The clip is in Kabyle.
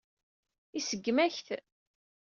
Iseggem-ak-t.